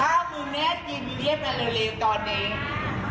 ถ้าคุณแม่กินเรียกมาเร็วตอนนี้